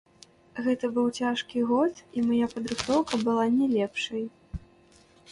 Гэта быў цяжкі год, і мая падрыхтоўка была не лепшай.